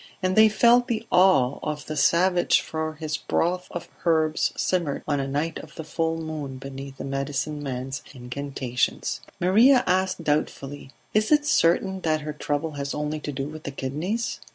And they felt the awe of the savage for his broth of herbs simmered on a night of the full moon beneath the medicineman's incantations. Maria asked doubtfully: "Is it certain that her trouble has only to do with the kidneys?"